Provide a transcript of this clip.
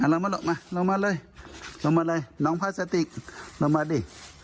เอาลงมาล่ะมาลงมาเลยลงมาเลยน้องพัสสติกลงมาดิ